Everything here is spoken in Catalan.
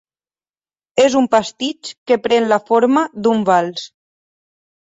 És un pastitx que pren la forma d'un vals.